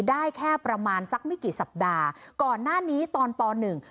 ได้แค่ประมาณสักไม่กี่สัปดาห์ก่อนหน้านี้ตอนปหนึ่ง